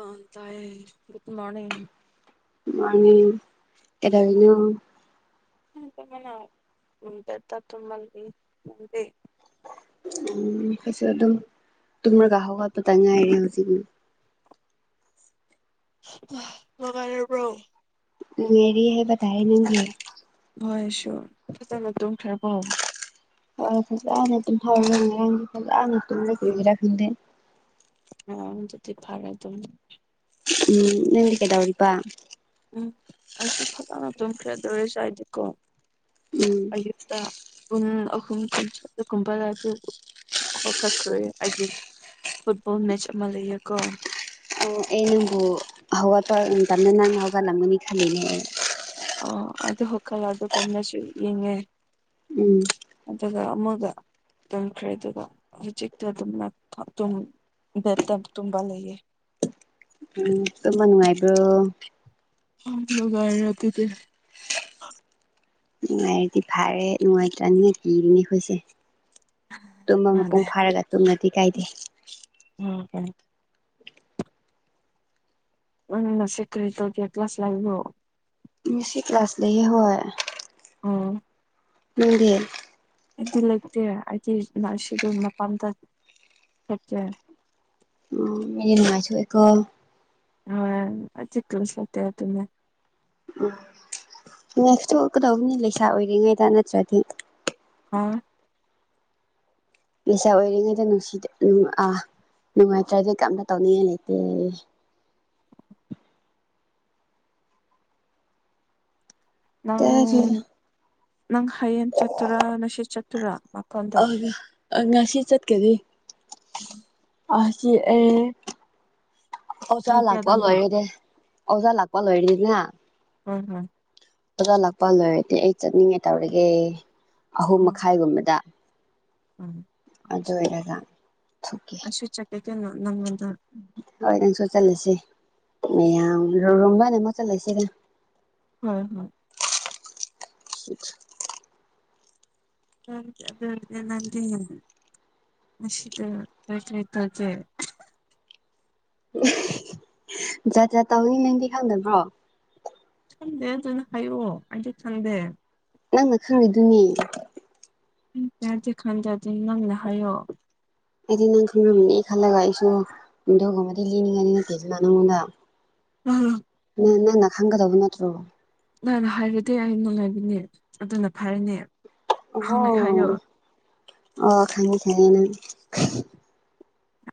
ꯑ ꯇꯥꯏꯌꯦ ꯃꫭꯔꯅꯤꯡ ꯃꯥꯅꯤ ꯀꯩꯗꯧꯔꯤꯅꯣ ꯃꯅ ꯄꯗ ꯇꯣꯃꯜꯂꯤ ꯃꯗꯤ ꯀ ꯑꯗꯨ ꯇꯔ ꯀꯍ ꯇꯉꯥꯏꯔ ꯍꯧꯖꯤꯅ ꯅꯨꯡꯉꯥꯏꯔꯤꯕ꯭ꯔꯣ ꯃꯦꯔꯤ ꯍꯥꯏ ꯇꯥꯏ ꯅꯪꯒ ꯍꯣꯏꯁꯨ ꯐꯖꯅ ꯊꯨꯝꯈ꯭ꯔꯦꯀꯣ ꯐꯖꯅ ꯇꯨꯝꯃ ꯐꯖꯅ ꯈꯪꯗꯦ ꯑ ꯑꯗꯨꯗꯤ ꯐꯥꯔꯦꯗ ꯎꯝ ꯅꯪꯗꯤ ꯀꯩꯗꯧꯔꯤꯕ ꯎꯝ ꯑꯩꯁꯨ ꯐꯖꯥꯅ ꯇꯨꯝꯈ꯭ꯔꯦ ꯍꯥꯏꯗꯤꯀꯣ ꯎꯝ ꯑꯌꯨꯛꯇ ꯎꯝ ꯑꯍꯨꯝ ꯈꯨ ꯀꯨꯝꯄꯦ ꯍꯧꯒꯠꯈꯈꯦ ꯐꯨꯠꯕꯣꯜ ꯃꯦꯠꯆ ꯑꯃ ꯂꯩꯌꯦꯀꯣ ꯑꯩ ꯅꯪꯕꯨ ꯍꯧꯒꯠꯄꯥ ꯇꯝꯅ ꯅꯪ ꯍꯥꯎꯒꯂꯝꯒꯅꯤ ꯈꯅꯦ ꯑꯣ ꯑꯗꯨ ꯈꯜꯂ [inaudible] ꯑꯗꯨ ꯀꯟꯅꯁꯨ ꯌꯦꯡꯉꯦ ꯎꯝ ꯑꯗꯨꯒ ꯑꯃꯒ ꯇꯟꯈ꯭ꯔꯦ ꯑꯗꯨꯒ ꯍꯧꯖꯤꯛꯇ ꯑꯗꯨꯝ ꯑꯗꯨꯝ ꯦꯠꯇ [inaudible] ꯇꯨꯝꯕ ꯂꯩꯌꯦ ꯎꯝ ꯀꯃ ꯅꯨꯡꯉꯥꯏꯕ ꯂꯕꯥꯔꯇꯗꯤ [inaudible] ꯅꯨꯡꯉꯥꯏꯔꯗꯤꯐꯔꯦ ꯅꯨꯡꯉꯥꯏ ꯇꯥꯅꯤ ꯈꯣꯏ ꯅꯤꯁ ꯇꯨꯝꯕ ꯃꯥꯅꯦ ꯃꯄꯨꯡ ꯐꯥꯔꯒ ꯇꯨꯝꯉꯗꯤ ꯀꯥꯏꯗꯦ ꯑꯣꯝ [inaudible] ꯎꯅ ꯁꯦꯀ꯭ꯔꯦꯇꯧ ꯀ꯭ꯂ ꯀ꯭ꯂꯥꯁ ꯂꯕ ꯃꯁꯤ ꯀ꯭ꯂꯥꯁ ꯂꯩꯦ ꯍꯣꯏ ꯎꯝ ꯃꯗꯦꯜ ꯏꯗꯤ ꯂꯩꯇ ꯍꯥꯏꯗꯤ ꯁꯤꯗꯅ ꯄꯝꯗ ꯊꯇ ꯑꯣ ꯃ ꯃꯥꯁꯨ ꯑꯩꯀꯣ ꯍꯣꯏ ꯆꯤꯀꯂꯁꯇ ꯇꯨꯃꯦ ꯎꯝ ꯅꯦꯛꯁꯇꯨ ꯀꯩꯗꯧꯕꯅꯤ ꯂꯩꯁꯥ ꯑꯣꯏꯔꯤꯉꯩꯗ ꯅꯠꯇ꯭ꯔꯗꯤ ꯍꯥꯥ ꯂꯩꯁꯥ ꯑꯣꯏꯔꯤꯉꯩꯗ ꯅꯨꯡꯁꯤ ꯑꯥ ꯅꯨꯡꯉꯥꯏꯇ꯭ꯔꯗꯤ ꯀꯃꯥꯏ ꯇꯧꯅꯤ ꯅꯪ ꯇ [inaudible] ꯅꯪ ꯍꯌꯦꯡ ꯆꯥꯠꯇꯨꯔꯥ ꯅꯨꯡꯁꯤꯠ ꯆꯠꯇꯨꯔꯥ ꯃꯥꯄꯜꯗ ꯉꯁꯤ ꯆꯠꯀꯦꯗꯤ ꯎꯝ ꯑ ꯁꯤ ꯑꯦ ꯑꯣ ꯄꯨꯡ ꯆꯂꯥꯛꯄꯣ ꯀꯌꯥꯗꯅꯣ ꯂꯣꯏꯔꯦꯗꯦ ꯑꯣꯖꯥ ꯂꯥꯛꯄ ꯂꯣꯏꯔꯅꯤꯅ [inaudible] ꯇꯂꯥꯛꯄ ꯂꯣꯏꯔꯗꯤ ꯑꯩ ꯆꯠꯅꯤꯡꯉꯦ ꯇꯧꯔꯒꯦ ꯑꯍꯨꯝ ꯎꯝ ꯃꯈꯥꯏꯒꯨꯝꯕꯗ ꯎꯝ ꯑꯗꯣ ꯑꯣꯏꯔꯒ ꯊꯣꯛꯀꯦ ꯑꯩꯁꯨ ꯆꯠꯀꯦ ꯀꯩꯅꯣ ꯅꯪꯉꯣꯟꯗ ꯍꯣꯏ ꯅꯪ ꯁꯆꯜꯂꯁꯤ ꯃ ꯌꯥꯝ ꯔꯣꯝꯕꯅꯦ ꯃ ꯆꯠ ꯂꯩꯁꯤꯦꯒ ꯍꯣꯏ ꯍꯣꯏ ꯎ ꯎ ꯑꯗꯨꯗꯤ ꯅꯟ ꯃꯁꯤꯁꯤꯗ ꯍ ꯂꯩꯣꯏ ꯇꯦ ꯖꯠ ꯖꯥꯠ ꯇꯧꯅꯤ ꯅꯪꯗꯤ ꯈꯪꯗꯅꯕ꯭ꯔꯣ ꯁꯟꯗꯦ ꯑꯗꯨꯅ ꯍꯥꯏꯌꯣ ꯑꯩꯁꯨ ꯁꯟꯗꯦ ꯅꯪꯅ ꯈꯪꯔꯨꯗꯨꯣꯏꯅꯦ ꯆꯖꯦ ꯈꯥꯟꯖꯖꯤ ꯅꯅ ꯍꯥꯏꯣ ꯑꯩꯗꯤ ꯅꯪ ꯊꯨꯝꯔꯝꯃꯤꯅꯤ ꯈꯜꯂꯒ ꯑꯩꯁꯨ ꯒꯨꯝꯕꯗꯤ ꯂꯤꯅꯤꯡꯉꯅꯤ ꯅꯠꯇꯦ ꯑꯗꯨꯅ ꯅꯪꯉꯣꯟꯗ ꯎꯝ ꯅꯪꯅ ꯈꯪꯒꯗꯕ ꯅꯠꯇ꯭ꯔꯣ ꯅ ꯍꯥꯏꯔꯗꯤ ꯑꯩ ꯅꯨꯡꯉꯥꯏꯕꯅꯦ ꯑꯗꯨꯅ ꯐꯔꯅꯦ ꯑꯣ ꯑꯣ ꯈꯉ ꯊꯌꯦꯅ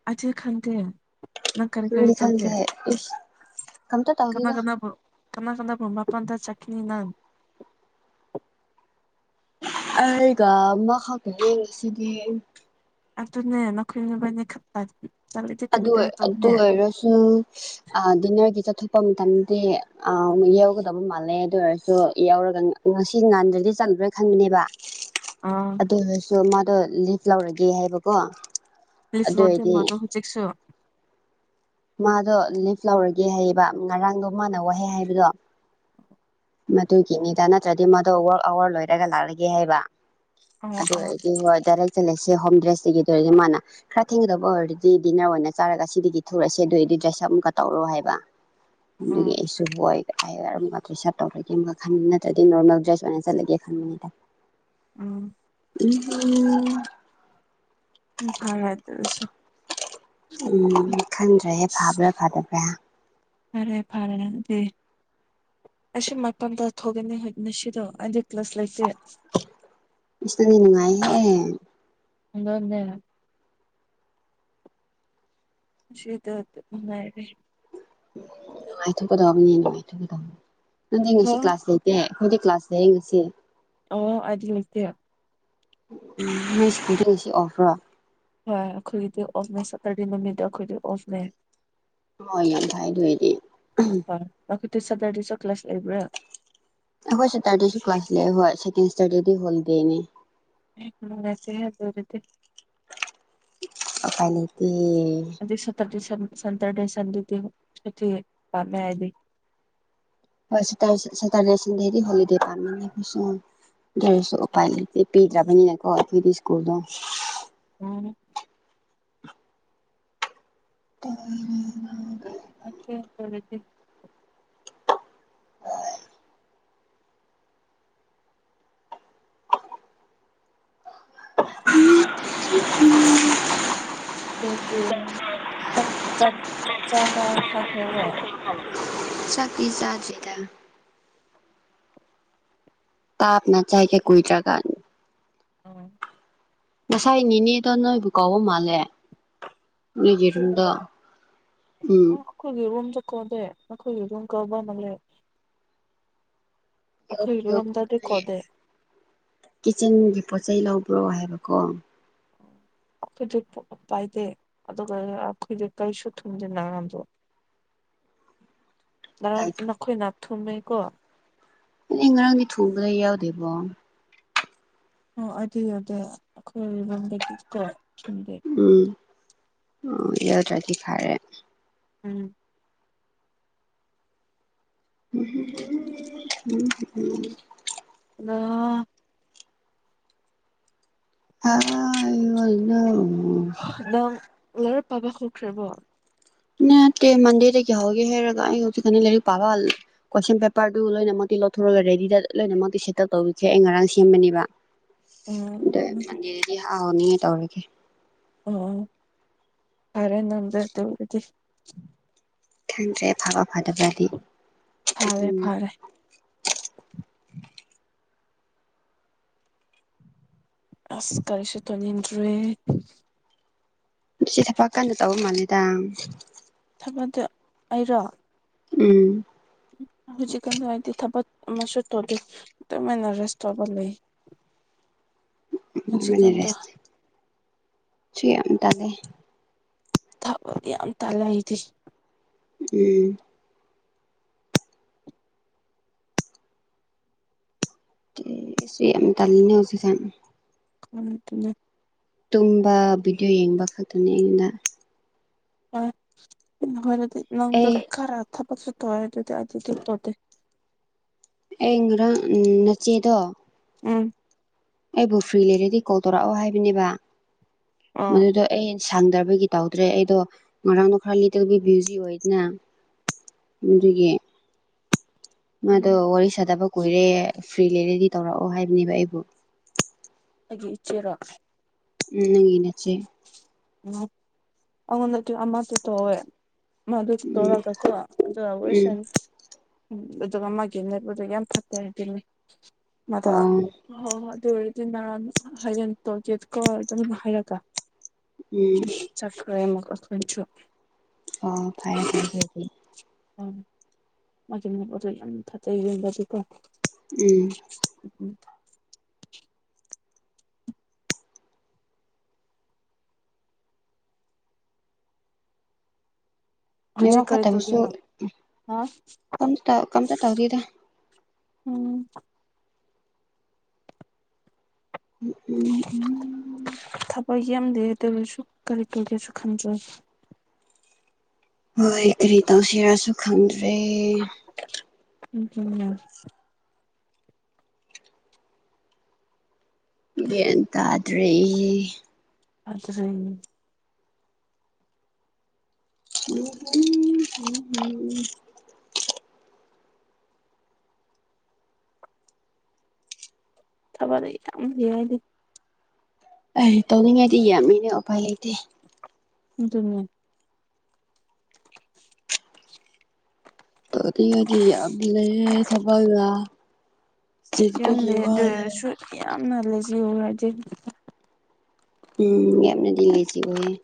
ꯑꯆ ꯈꯥꯟꯗꯦ ꯅꯪ ꯀꯔꯤ ꯀꯔꯤ ꯅꯪꯗꯤ ꯇꯧꯒꯦ ꯈꯪꯗꯦ ꯏꯁ ꯀꯝꯇ ꯀꯅꯥ ꯇꯧꯗꯦꯗ ꯀꯅꯥꯕꯨ ꯀꯅꯥ ꯀꯅꯥꯕꯣ ꯄꯟꯊꯥ ꯆꯈꯅꯤ ꯅꯝ ꯑꯩꯒꯃꯅꯦꯁꯤꯗ ꯑꯗꯨ ꯑꯗꯨ ꯅ ꯅꯈꯜꯅꯕꯅꯦ ꯈ ꯑꯗꯨ ꯑꯣꯏ ꯑꯗꯨ ꯑꯣꯏꯔꯁꯨ ꯑ ꯗꯤꯅꯔꯒꯤꯇ ꯊ ꯂꯄ ꯃꯇꯝꯗꯤ ꯌꯥꯧꯒꯗꯕ ꯃꯥꯜꯂꯦ ꯑꯗꯨ ꯑꯣꯏꯔꯁꯨ ꯌꯥꯧꯔꯒ ꯉꯁꯤ ꯉꯥꯟꯗ꯭ꯔꯗꯤ ꯆ ꯈꯗ꯭ꯔꯣꯏ ꯈꯟꯕꯅꯦꯕ ꯑꯥ ꯑꯗꯨ ꯑꯣꯏꯔꯁꯨ ꯃꯥꯗꯣ ꯂꯤꯚ ꯂꯧꯔꯒꯦ ꯍꯥꯏꯕꯀꯣ ꯑꯗꯨ ꯁꯂꯗ ꯑꯣꯏꯔꯗꯤ ꯃ ꯑꯗꯨꯣ ꯍꯧꯖꯤꯛꯁꯨ ꯃꯥꯗꯣ ꯂꯤꯐ ꯂꯧꯔꯒꯦ ꯍꯥꯏꯌꯦꯕ ꯉꯔꯥꯡꯗꯣ ꯃꯥꯅ ꯋꯥꯍꯩ ꯍꯥꯏꯕꯗꯣ ꯃꯗꯨꯒꯤꯅꯤꯗ ꯅꯠꯇ꯭ꯔꯗꯤ ꯃꯗꯨꯣ ꯋꯥꯋꯔꯛ ꯑꯋꯥꯔ ꯂꯣꯏꯔꯒ ꯂꯥꯛꯂꯒꯦ ꯍꯥꯏꯕ ꯑꯣ ꯑꯣ ꯑꯗꯨꯗꯗꯤ ꯍꯗꯔ ꯆꯠꯂꯁꯦ ꯍꯣꯝ ꯗ꯭ꯔꯦꯁꯇꯒꯤ ꯑꯗꯨ ꯑꯣꯏꯔꯒ ꯃꯥꯅ ꯈꯔ ꯊꯦꯡꯒꯗꯕ ꯑꯣꯏꯔꯗꯤ ꯗꯤꯟꯅꯔ ꯑꯣꯏꯅ ꯆꯥꯔꯒ ꯑꯁꯤꯗꯒꯤ ꯊꯨꯔꯛꯁꯦ ꯑꯗꯨ ꯑꯩꯗꯤ ꯗ꯭ꯔꯦꯁꯑꯞ ꯑꯃꯨꯛꯀ ꯇꯧꯔꯣ ꯍꯥꯏꯕ ꯑꯗꯨꯒꯤ ꯑꯣ ꯑꯩꯁꯨ ꯍꯣꯏ ꯕꯦꯁ ꯇꯧꯔꯒꯦ ꯑꯃ ꯈꯟꯕ ꯅꯠꯇ꯭ꯔꯗꯤ ꯅꯣꯔꯃꯦꯜ ꯗ꯭ꯔꯦꯁ ꯑꯣꯏꯅ ꯆꯠꯂꯒꯦ ꯈꯟꯕꯅꯤꯗ ꯎꯝ ꯎꯝ ꯎ ꯐꯔ ꯍꯥꯏ ꯑꯗꯨꯔꯁ ꯎꯝ ꯈꯟꯗ꯭ꯔꯦꯍꯦ ꯐꯥꯕ꯭ꯔꯥ ꯐꯗꯕ꯭ꯔꯥ ꯑꯔꯦ ꯐꯥꯔꯅꯦ ꯑꯁꯨ ꯃꯄꯐꯝꯗ ꯊꯣꯛꯒꯅꯤꯁꯤꯗꯣ ꯑꯩꯗꯤ ꯀ꯭ꯂꯥꯁ ꯂꯩꯖꯦ ꯏꯅꯗꯤ ꯅꯨꯡꯉꯥꯏ ꯍꯦ ꯑꯗꯗꯔ ꯁꯤ ꯇꯦ ꯎ ꯅꯨꯡꯉꯥꯏꯊꯣꯛꯀꯗꯕꯅꯦ ꯅꯨꯡꯉꯥꯏꯊꯣꯛꯀꯗꯅꯦ ꯅꯪꯗꯤ ꯉꯁꯤ ꯍꯜꯂꯣ ꯀ꯭ꯂꯥꯁ ꯂꯩꯇꯦ ꯑꯩꯈꯣꯏꯗ ꯀ꯭ꯂꯥꯁꯇ ꯌꯦꯡꯉꯁꯤꯦ ꯑꯣ ꯑꯗꯤ ꯃꯤꯁꯦꯔ ꯎ ꯃꯤꯁꯀꯨꯗꯁꯤ ꯑꯣꯐ꯭ꯔꯣ ꯍꯣꯏ ꯑꯩꯈꯣꯏꯒꯤꯗꯤ ꯑꯣꯐꯅꯦ ꯁꯇꯔꯗꯦ ꯅꯨꯃꯤꯠꯠꯇ ꯑꯩꯈꯣꯏꯗꯤ ꯑꯣꯐꯅꯦ ꯍꯣꯏ ꯌꯥꯝ ꯐꯥꯏꯗ ꯑꯣꯏꯗꯤ ꯇ ꯁꯦꯇꯔꯗꯦꯁꯨ ꯀ꯭ꯂꯥꯁ ꯂꯩꯕ꯭ꯔꯥ ꯍꯣꯏ ꯁꯦꯇꯔꯗꯦꯁꯨ ꯀ꯭ꯂꯥꯁ ꯂꯩ ꯍꯣꯏ ꯁꯦꯀꯦꯟ ꯁꯦꯇꯔꯗꯦꯗꯤ ꯍꯣꯂꯤꯗꯦꯅꯤ ꯗ ꯑꯣꯏꯔꯗꯤ ꯑꯣꯥꯏꯅꯤ ꯑꯗꯨꯙꯛ ꯁꯇꯔꯗꯤ ꯁꯟꯇꯔꯅꯤ ꯁꯟꯗꯤꯤꯤ ꯄꯥꯝꯃꯦ ꯍꯥꯏꯗꯤ ꯍꯣꯏ ꯁꯦꯇ ꯁꯦꯇꯔꯗꯦ ꯍꯣꯗꯦ ꯄꯥꯝꯅꯦ ꯀ ꯗꯁꯨ ꯎꯄꯥꯏ ꯂꯩꯇꯦ ꯄꯤꯗ꯭ꯔꯕꯅꯤꯅ ꯀꯣꯜꯈꯗꯤ ꯁ꯭ꯀꯨꯜꯗꯣ ꯎꯝ ꯎꯝ ꯑꯦꯂ ꯎꯝ ꯎꯝ ꯑꯗꯨꯗꯤ ꯆ ꯆꯠ ꯆꯥ ꯆꯥ ꯊꯥꯈ꯭ꯔꯦꯕ ꯆꯇꯤ ꯆꯥꯖꯤꯗ ꯇꯞꯅ ꯆꯥꯏꯀꯦ ꯀꯨꯏꯔꯒꯥꯟ ꯑ ꯉꯁꯥꯏ ꯏꯅꯦꯗ ꯅꯣꯏ ꯨꯀꯧꯕ ꯃꯥꯜꯂꯦ ꯂꯩꯔꯗꯣ ꯑꯩꯈꯣꯏꯗꯔꯣ ꯎꯝ ꯀꯣꯟꯗꯦ ꯅꯈꯣꯏꯒꯤ ꯑꯗꯨꯝ ꯀꯧꯕꯕ ꯑꯃ ꯂꯩ ꯀꯧꯗꯦ ꯀꯤꯆꯟꯒꯤ ꯄꯣꯠ ꯆꯩꯩ ꯂꯧꯕ ꯂꯣ ꯍꯥꯏꯕꯀꯣ ꯑꯩꯈꯣꯏꯗꯤ ꯄꯥꯏꯗꯦ ꯑꯗꯨꯒ ꯑꯩꯈꯣꯏꯗꯤ ꯀꯔꯤꯁꯨ ꯊꯨꯝꯗꯦ ꯅꯔꯥꯡꯗꯣ [inaudible] ꯉꯔꯥꯡ ꯅꯈꯣꯏ ꯅꯥꯊꯨꯝꯃꯦꯀꯣ ꯑ ꯉꯔꯥꯡꯗꯤ ꯊꯨꯕꯗ ꯌꯥꯎꯗꯦꯕꯣ ꯑꯣ ꯑꯗꯨ ꯑꯗꯨꯗ ꯑꯩꯈꯣꯏꯗꯤ ꯀꯣ ꯆꯨꯝꯗꯦ ꯎꯝ ꯑꯣ ꯌꯥꯎꯗ꯭ꯔꯖꯤ ꯈꯔꯦ ꯎꯝ ꯎ ꯎꯝ ꯅꯪ ꯍꯥꯏ ꯋꯥꯅ ꯅꯪ ꯂꯥꯢꯔꯤꯛ ꯄꯥꯕ ꯍꯧꯈ꯭ꯔꯕꯣ ꯅꯠꯇꯦ ꯃꯟꯗꯦꯗꯒꯤ ꯍꯧꯒꯦ ꯍꯥꯏꯔꯒ ꯑꯩ ꯍꯧꯖꯤꯛꯀꯥꯟ ꯂꯥꯏꯔꯤꯛ ꯄꯥꯕ ꯀꯣꯏꯁꯟ ꯄꯦꯄꯔꯗꯨ ꯂꯣꯏꯅꯃꯛ ꯂꯧꯊꯣꯛꯒ ꯔꯦꯗꯤꯗ ꯂꯣꯏꯅꯃꯛꯇꯤ ꯁꯦꯇꯜ ꯇꯧꯋꯤꯈꯩ ꯑꯩ ꯉꯔꯥꯡ ꯁꯦꯝꯕꯅꯦꯕ [unintelligible] ꯑꯥꯎ ꯅꯦ ꯇꯧꯔꯤꯒꯦ ꯑ ꯐꯔꯦ ꯅꯪꯗ ꯑꯗꯨ ꯑꯣꯏꯔꯗꯤ [unintelligible] ꯐꯔꯦ ꯐꯔꯦ [unintelligible] ꯑꯁ ꯀꯔꯤꯁꯨ ꯇꯧꯅꯤꯡꯗ꯭ꯔꯦ ꯁꯤ ꯊꯄꯥꯛ ꯀꯟꯅ ꯇꯧꯕ ꯃꯥꯜꯂꯦꯗ ꯑꯩꯔꯣ ꯎꯝ ꯍꯧꯖꯤꯛꯀꯥꯟ ꯍꯥꯏꯗꯤ ꯊꯕꯛ ꯑꯃꯁꯨ ꯇꯧꯗꯦ ꯇꯨꯃꯤꯟꯅ ꯔꯦꯁ ꯇꯧꯕ ꯂꯩ [inaudible] ꯍꯧꯖꯤꯛꯀꯥꯟꯗꯣ [unintelligible] ꯁꯨ ꯌꯥꯝ ꯇꯜꯂꯦ ꯊꯥꯕꯗꯤ ꯌꯥꯝ ꯇꯜꯂꯦ ꯑꯩꯗꯤ ꯎꯝ ꯁꯤ ꯌꯥꯝ ꯇꯜꯂꯤꯅ ꯍꯧꯖꯤꯛꯁꯦ [unintelligible] ꯇꯨꯝꯕ ꯚꯤꯗꯤꯑꯣ ꯌꯦꯡꯕ ꯈꯛꯇꯅꯦ ꯑꯩꯉꯣꯟꯗ ꯑꯗꯨ ꯑꯣꯢꯔꯗꯤ ꯅꯪꯗꯨ ꯑꯦ ꯈꯔ ꯊꯕꯛꯁꯨ [unintelligible] ꯑꯩ ꯉꯔꯥꯡ ꯅꯆꯦꯗꯣ ꯎꯝ ꯑꯩꯕꯨ ꯐ꯭ꯔꯤ ꯂꯩꯔꯗꯤ ꯀꯣꯜ ꯇꯧꯔꯛꯑꯣ ꯍꯥꯏꯕꯅꯦꯕ ꯑꯥ ꯃꯗꯨꯗꯣ ꯑꯩ ꯁꯥꯡꯗꯕꯒꯤ ꯇꯧꯗ꯭ꯔꯦ ꯑꯩꯗꯣ ꯉꯔꯥꯡꯗꯣ ꯈꯔ ꯂꯤꯇꯕꯤ ꯕ꯭ꯌꯨꯖꯤ ꯑꯣꯏꯗꯅ ꯑꯗꯨꯗꯒꯤ ꯃꯥꯗꯣ ꯎꯝ ꯋꯥꯔꯤ ꯁꯥꯗꯕ ꯀꯨꯏꯔꯦ ꯐ꯭ꯔꯤ ꯂꯩꯔꯦꯗꯤ ꯇꯧꯔꯛꯑꯣ ꯍꯥꯏꯕꯅꯦꯕ ꯑꯩꯕꯨ ꯑꯩꯒꯤ ꯏꯆꯦꯔꯣ ꯅꯪꯒꯤ ꯅꯆꯦ ꯑꯩꯉꯣꯟꯗꯗꯤ ꯑꯃꯗꯨ ꯇꯧꯋꯦ ꯃꯗꯨ ꯎꯝ ꯎꯝ [unintelligible] ꯑꯗꯨꯒ ꯃꯥꯒꯤ ꯅꯦꯠꯋꯥꯛ ꯑꯗꯨ ꯌꯥꯝ ꯐꯠꯇꯦ ꯍꯥꯏꯅꯤ ꯃꯥꯗ ꯑꯣ ꯍꯣ ꯍꯣ ꯑꯗꯨ ꯍꯌꯦꯡ ꯇꯣꯜꯀꯦꯠꯀꯣ ꯑꯗꯨꯝ ꯍꯥꯏꯔꯒ ꯎꯝ ꯆꯠꯈ꯭ꯔꯦ ꯃꯈꯣꯢꯁꯨ ꯑꯣ ꯐꯔꯦ ꯐꯔꯦ ꯑꯗꯨꯗꯤ ꯎ ꯃꯥꯒꯤ ꯅꯨꯄꯥꯗꯨ ꯌꯥꯝ ꯐꯠꯇꯦ ꯌꯨꯝꯗꯗꯤ ꯀꯣ ꯎꯝ [inaudible] ꯍꯧꯖꯤꯛ ꯅꯦꯠꯋꯥꯛ ꯀꯔꯤ ꯐꯠꯇꯕꯁꯨ ꯇꯒꯦꯅꯣ ꯍꯥ ꯀꯝꯇ ꯀꯝꯇ ꯇꯧꯗꯦꯗ ꯎꯝ [inaudible] ꯍꯣꯏ ꯌꯥꯝꯗꯦ ꯑꯗꯨꯑꯣꯢꯔꯁꯨ ꯀꯔꯤ ꯇꯧꯒꯦꯁꯨ ꯈꯟꯗ꯭ꯔꯦ ꯍꯣꯏ ꯀꯔꯤ ꯇꯧꯁꯤꯔꯁꯨ ꯈꯪꯗ꯭ꯔꯦ [unintelligible] ꯒ꯭ꯌꯥꯟ ꯇꯥꯗ꯭ꯔꯦ ꯇꯥꯗ꯭ꯔꯦ [unintelligible] ꯊꯕꯛ ꯌꯥꯝ ꯂꯩ [unintelligible] ꯑꯩ ꯇꯧꯅꯤꯡꯉꯥꯏꯗꯤ ꯌꯥꯝꯃꯤꯅꯦ ꯑꯣꯄꯥꯏ ꯂꯩꯇꯦ ꯑꯗꯨꯃꯦ ꯀꯔꯤꯒꯤ ꯌꯥꯝ ꯂꯩꯦ ꯁꯐꯗ ꯌꯥꯝ ꯁꯤꯜꯄꯒꯤ ꯂꯩ ꯑꯗꯨ ꯋꯥꯔꯦ ꯑꯣꯏꯔꯁꯨ ꯌꯥꯝꯅ ꯂꯥꯖꯌ ꯑꯣꯏ ꯍꯥꯏꯗꯤ ꯎꯝ ꯌꯝꯅꯥꯂꯥꯖꯌ ꯑꯣꯏꯌꯦ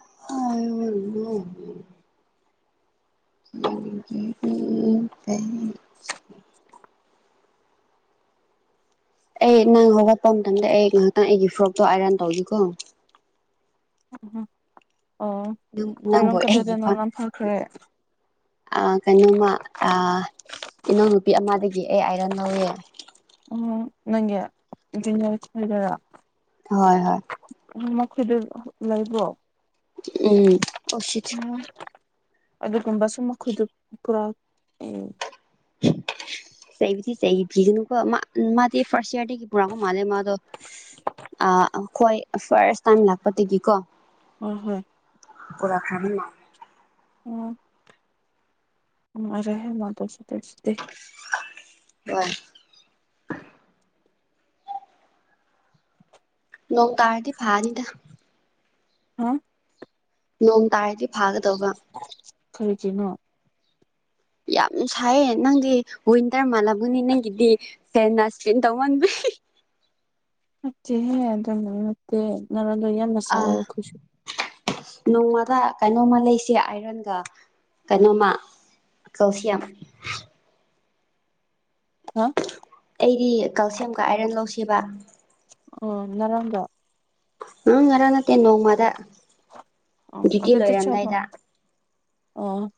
ꯑ [unintelligible] ꯍ ꯍꯝ [unintelligible] ꯑꯩ ꯅꯪ ꯍꯧꯒꯠꯄ ꯃꯇꯝꯗ ꯑꯩ ꯉꯥꯏꯍꯥꯛꯇꯪ ꯑꯩꯒꯤ ꯐ꯭ꯔꯣꯛꯇꯣ ꯑꯥꯏꯔꯟ ꯇꯥꯎꯕꯤ ꯎꯀꯣ [inaudible] ꯑꯣ ꯅꯪꯕꯨ ꯑꯥꯏꯔꯣꯟ ꯑꯩꯒꯤ ꯀꯗꯥꯏꯗꯅꯣ ꯂꯪꯊꯈ꯭ꯔꯦ ꯑ ꯀꯩꯅꯣꯃ ꯑꯥ ꯏꯅꯎꯅꯨꯄꯤ ꯑꯃꯗꯒꯤ ꯑꯩ ꯑꯥꯏꯔꯟ ꯂꯧꯋꯦ ꯎꯝ ꯅꯪꯒꯤ [unintelligible] ꯍꯥꯏꯗꯔꯥ ꯍꯣꯏ ꯍꯣꯏ ꯃꯈꯣꯏꯗ ꯂꯩꯕ꯭ꯔꯣ ꯎꯝ ꯑꯣꯁꯤꯠ! ꯑꯗꯨꯒꯨꯝꯕꯁꯨꯨꯝ ꯑꯩꯏꯗꯨ ꯄꯨꯔꯥ ꯎ ꯆꯩꯕꯗꯤ ꯆꯩꯕꯤꯒꯅꯨꯀꯣ ꯃꯥ ꯃꯥꯗꯤ ꯐꯥꯔꯁ ꯌꯥꯔꯗꯒꯤ ꯄꯨꯔꯥꯒ ꯃꯥꯜꯂꯦ ꯃꯥꯗꯣ ꯑ ꯍꯣꯏ ꯐꯥꯔꯁ ꯇꯥꯏꯝ ꯂꯥꯛꯄꯗꯒꯤꯀꯣ ꯍꯣꯏ ꯍꯣꯏ ꯄꯨꯔꯥ ꯈꯕꯤꯃꯜꯂꯦ [unintelligible] ꯋꯥ ꯅꯣꯡ ꯇꯥꯔꯗꯤ ꯐꯥꯅꯤꯗ ꯍꯥꯝ ꯅꯣꯡ ꯇꯥꯗꯤ ꯐꯒ ꯀꯔꯒꯤꯅꯣ ꯌꯥꯝ ꯁꯥꯏꯌꯦ ꯅꯪꯗꯤ ꯋꯤꯟꯇꯔ ꯃꯥꯜꯂꯕꯅꯤ ꯅꯪꯒꯤꯗꯤ ꯐꯦꯟꯅ ꯏꯁꯄꯦꯟ ꯇꯧꯃꯟꯕꯒꯤ [inaudible] ꯅꯠꯇꯦꯍꯦ ꯑꯗꯨꯝꯅ ꯅꯠꯇꯦ ꯌꯥꯝꯅ ꯁꯥꯏꯌꯦ ꯑꯥ ꯑꯩꯈꯣꯏꯁꯨ ꯅꯣꯡꯃꯔ ꯀꯩꯅꯩꯅꯣꯃ ꯂꯩꯁꯦ ꯑꯥꯏꯔꯟꯒ ꯀꯩꯅꯣꯃ ꯀꯦꯜꯁꯤꯌꯝ ꯍꯥ ꯑꯩꯗꯤ ꯀꯜꯁꯤꯌꯝꯒ ꯑꯥꯏꯔꯟ ꯂꯧꯁꯦꯕ ꯑꯣ ꯅꯔꯝꯕꯔ ꯑꯣ ꯑꯗꯨꯗ ꯆꯥꯕ [unintelligible] ꯑꯣ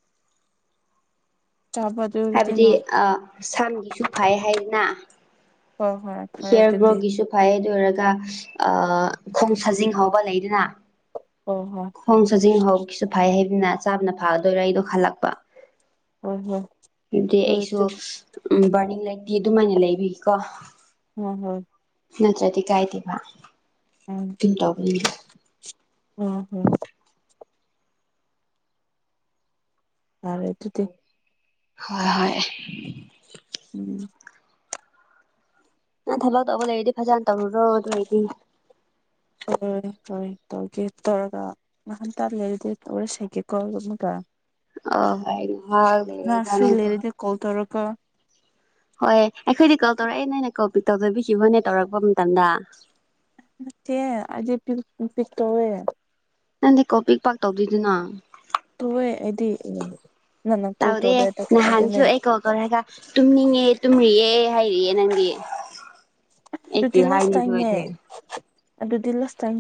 ꯆꯥꯕ ꯑꯗꯨ ꯑꯣꯏꯔꯗꯤ ꯍꯥꯏꯕꯗꯤ ꯅꯪ ꯑꯥ ꯁꯝꯒꯤꯁꯨ ꯐꯩ ꯍꯥꯏꯗꯅ ꯍꯣꯏ ꯍꯣꯏ ꯐꯔꯦ ꯍꯤꯌꯥꯔ ꯑꯗꯨꯗꯤ ꯒ꯭ꯔꯣꯒꯤꯁꯨ ꯐꯩ ꯑꯗꯨ ꯑꯣꯏꯔꯒ ꯑꯥ ꯈꯣꯡ ꯁꯥꯖꯤꯡ ꯍꯥꯎꯧꯕ ꯂꯩꯗꯅ ꯍꯣꯏ ꯍꯣꯏ ꯈꯣꯡ ꯁꯖꯤꯡ ꯍꯧ ꯀꯁꯨ ꯐꯩ ꯍꯥꯏꯩꯕꯅ ꯆꯥꯕꯅ ꯐꯥꯒꯗꯣꯏꯔꯥ ꯑꯩꯗꯣ ꯍꯜꯂꯛꯄ ꯍꯣꯏ ꯍꯣꯏ ꯑꯗꯨꯗꯤ ꯑꯩꯁꯨ ꯇꯧꯔꯤꯗꯨ ꯕꯥꯔꯅꯤꯡ ꯂꯩꯥꯏꯔꯤꯛꯇꯤ ꯑꯗꯨꯃꯥꯏꯅ ꯂꯩꯕꯤꯀꯣ ꯍꯣꯏ ꯍꯣꯏ ꯇ꯭ꯔꯗꯤ ꯀꯥꯏꯗꯦꯕ ꯀꯝ ꯇꯧꯕꯅꯤꯗ ꯎꯝ ꯎꯝ ꯌꯥꯔꯦ ꯑꯗꯨꯗꯤ ꯍꯣꯏ ꯍꯣꯏ ꯎꯝ ꯅꯪ ꯊꯕꯛꯇꯧꯕ ꯂꯩꯔꯗꯤ ꯐꯖꯅ ꯇꯧꯔꯨꯔꯣ ꯑꯗꯣꯌꯗꯤ ꯍꯣꯏ ꯍꯣꯏ ꯇꯧꯒꯦ ꯇꯧꯔꯒ ꯉꯍꯥꯟꯇꯥ ꯂꯩꯔꯗꯤ ꯇꯧꯔꯁꯒꯦ ꯀꯣꯜꯒ [unintelligible] ꯑꯣ ꯍꯣꯏ ꯉꯥꯏꯍꯛ ꯂꯩꯔꯀꯣ ꯀꯪ ꯍꯣꯏ ꯑꯩꯈꯣꯏꯗꯤ ꯀꯣꯜ ꯇꯧꯔꯛꯑꯦ ꯅꯣꯏꯅ ꯀꯣꯜ ꯄꯤꯛ ꯇꯧꯖꯕꯤꯈꯤꯕꯅꯦ ꯇꯧꯔꯛꯄ ꯃꯇꯝꯗ ꯅꯠꯇꯦ ꯑꯩꯗꯤ ꯄꯤꯛ ꯄꯤꯛꯛꯇꯧꯏ ꯫ ꯅꯪꯗꯤ ꯀꯣꯜꯄꯤꯛ ꯄꯥꯛ ꯇꯧꯗꯣꯏꯗꯨꯅ ꯇꯧꯋꯦ ꯑꯩꯗꯤ ꯅꯪꯅ ꯀꯣꯜ ꯇꯧꯗꯦ ꯅꯍꯥꯟꯁꯨ ꯑꯗꯨꯅꯦ ꯑꯩ ꯀꯣꯜ ꯇꯧꯗꯧꯔꯒ ꯇꯨꯝꯅꯤꯡꯉꯦ ꯇꯨꯝꯔꯤꯌꯦ ꯍꯥꯏꯔꯤꯑꯦ ꯅꯪꯗꯤ ꯑꯩ ꯑꯗꯨꯗꯤ ꯀꯔꯤ ꯂꯥꯁ ꯍꯥꯏꯅꯤꯗꯨ ꯇꯥꯏꯝꯅꯦ ꯑꯣꯏꯗꯦ ꯑꯗꯨꯗꯤ ꯂꯁ ꯇꯥꯝꯏ